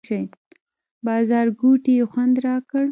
بازارګوټي یې خوند راکړ.